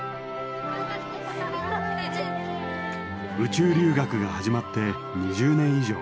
宇宙留学が始まって２０年以上。